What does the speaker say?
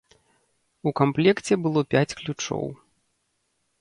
У камплекце было пяць ключоў.